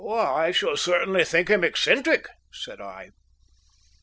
"I should certainly think him eccentric," said I.